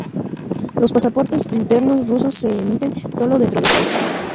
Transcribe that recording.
Los pasaportes internos rusos se emiten solo dentro del país.